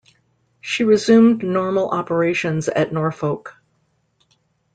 She resumed normal operations at Norfolk.